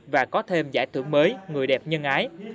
và có thêm giải thưởng mới người đẹp nhân ái